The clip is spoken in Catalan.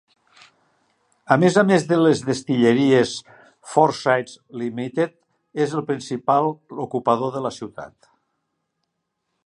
A més a més de les destil·leries, Forsyths Limited és el principal ocupador de la ciutat.